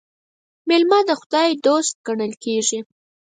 میلمه د خدای دوست ګڼل کیږي.